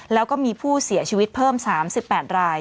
แล้วก็มีผู้เสียชีวิตเพิ่ม๓๘ราย